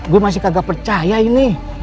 gue masih kagak percaya ini